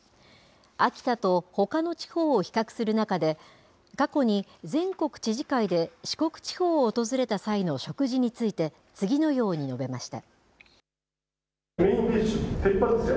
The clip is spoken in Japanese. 秋田とほかの地方を比較する中で、過去に全国知事会で四国地方を訪れた際の食事について、次のように述べました。